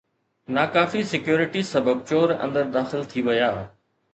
ناکافي security سبب چور اندر داخل ٿي ويا